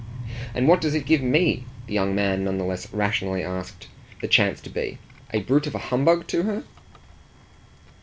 "And what does it give ME," the young man none the less rationally asked, "the chance to be? A brute of a humbug to her?"